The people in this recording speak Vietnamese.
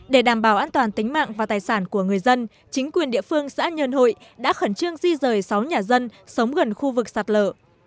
để đảm bảo an toàn tính mạng và tài sản của người dân chính quyền địa phương xã nhơn hội đã khẩn trương di rời sáu nhà dân sống gần khu vực sạt lở